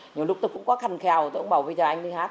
nhiều lúc tôi cũng có khăn khèo tôi cũng bảo bây giờ anh đi hát